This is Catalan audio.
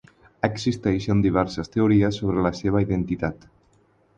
Existeixen diverses teories sobre la seva identitat.